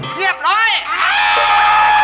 เรียบร้อย